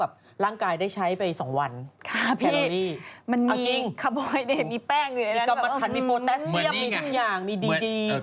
ไม่มีค่ะพี่ได้แต่แต่งบอดแต่เปลือกในด้วย